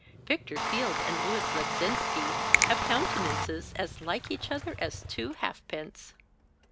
Victor Field and Louis Leczinski have countenances as like each other as two halfpence."